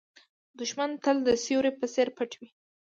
دښمن تل د سیوري په څېر پټ وي